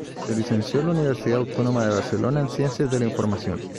Se licenció en la Universidad Autónoma de Barcelona en Ciencias de la Información.